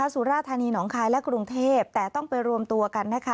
สุราธานีหนองคายและกรุงเทพแต่ต้องไปรวมตัวกันนะคะ